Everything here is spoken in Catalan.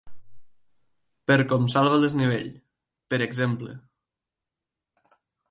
Per com salva el desnivell, per exemple.